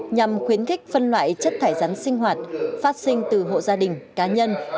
nhằm khuyến khích phân loại chất thải rắn sinh hoạt phát sinh từ hộ gia đình cá nhân